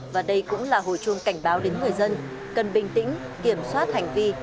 và đây cũng là hồi chuông cảnh báo đến người dân cần bình tĩnh kiểm soát hành vi